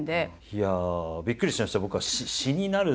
いやあびっくりしました。